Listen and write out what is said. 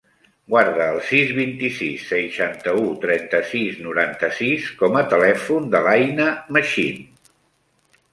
Guarda el sis, vint-i-sis, seixanta-u, trenta-sis, noranta-sis com a telèfon de l'Aïna Machin.